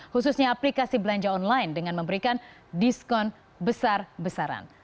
khususnya aplikasi belanja online dengan memberikan diskon besar besaran